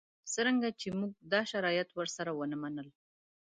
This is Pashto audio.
څرنګه چې موږ دا شرایط ورسره ونه منل.